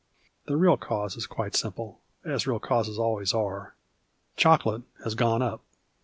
The real cause is quite simple, as real causes always are. Chocolate has " gone up."